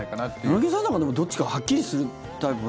柳澤さんなんかでも、どっちかはっきりするタイプの。